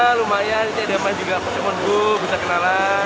ya lumayan jadi ada main juga pokemon go bisa kenalan